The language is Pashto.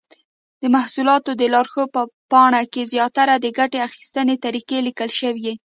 د محصولاتو د لارښود په پاڼه کې زیاتره د ګټې اخیستنې طریقه لیکل شوې.